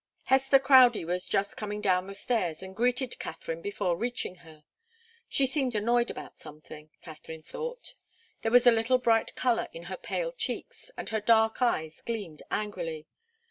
Hester Crowdie was just coming down the stairs, and greeted Katharine before reaching her. She seemed annoyed about something, Katharine thought. There was a little bright colour in her pale cheeks, and her dark eyes gleamed angrily.